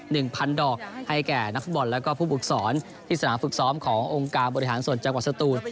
หนึ่งพันดอกให้แก่นักฟุตบอลแล้วก็ผู้ฝึกสอนที่สนามฝึกซ้อมขององค์การบริหารส่วนจังหวัดสตูน